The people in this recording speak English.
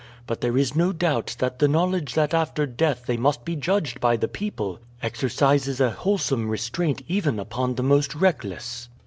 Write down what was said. But there is no doubt that the knowledge that after death they must be judged by the people exercises a wholesome restraint even upon the most reckless."